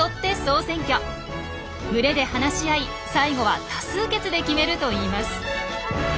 群れで話し合い最後は多数決で決めるといいます。